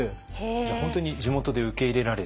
じゃあ本当に地元で受け入れられて。